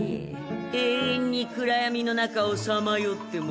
永遠に暗闇の中をさまよってもらおうか。